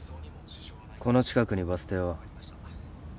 この近くにバス停は？えっ？